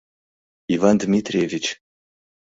Иван Дмитревич!